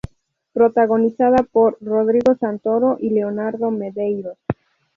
Protagonizada por Rodrigo Santoro y Leonardo Medeiros.